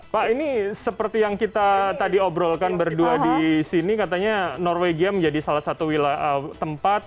pak ini seperti yang kita tadi obrolkan berdua di sini katanya norwegia menjadi salah satu tempat